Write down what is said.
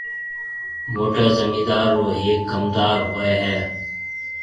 موٽيَ زميندار رو هيَڪ ڪمندار هوئي هيَ۔